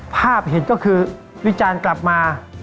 ภาพเห็นก็คือวิจารณ์กลับมา